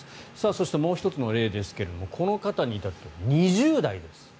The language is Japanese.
そして、もう１つの例ですがこの方にいたっては２０代です。